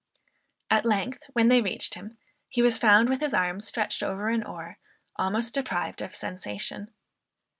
At length, when they reached him, he was found with his arms stretched over an oar, almost deprived of sensation.